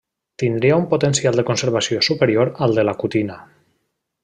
Tindria un potencial de conservació superior al de la cutina.